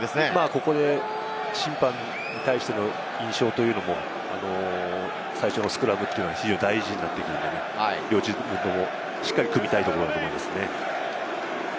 ここで審判に対しての印象も最初のスクラムは非常に大事になってくるので、両チームともしっかり組みたいと思いますね。